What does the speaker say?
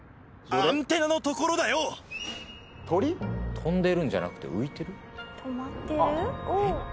飛んでるんじゃなくて浮いてる？